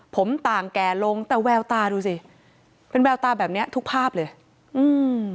ผมต่างแก่ลงแต่แววตาดูสิเป็นแววตาแบบเนี้ยทุกภาพเลยอืม